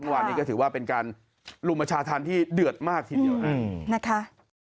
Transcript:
วันนี้ก็ถือว่าเป็นการลุมประชาธรรมที่เดือดมากทีเดียวนะคะ